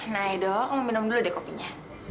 nah edo kamu minum dulu deh kopinya